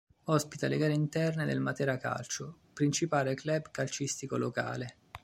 Ospita le gare interne del Matera Calcio, principale club calcistico locale.